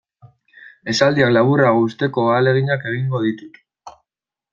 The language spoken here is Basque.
Esaldiak laburrago uzteko ahaleginak egingo ditut.